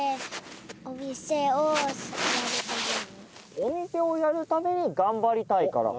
お店をやるために頑張りたいから。